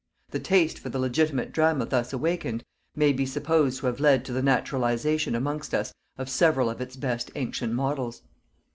The taste for the legitimate drama thus awakened, may be supposed to have led to the naturalization amongst us of several of its best ancient models.